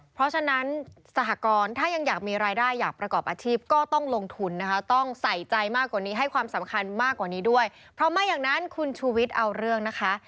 เพราะไม่อย่างนั้นคุณชูวิทย์เอาเรื่องนะคะ